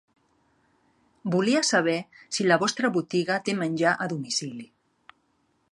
Volia saber si la vostra botiga té menjar a domicili.